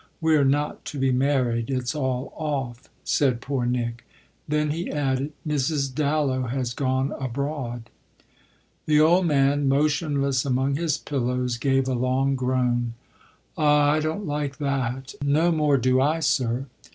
We're not to be married it's all off," said poor Nick. Then he added: "Mrs. Dallow has gone abroad." The old man, motionless among his pillows, gave a long groan. "Ah I don't like that." "No more do I, sir."